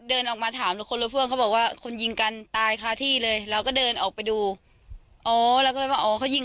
เขาว่ามีปากเสียงกันแต่รับไม่รู้แล้วไม่ได้ยิน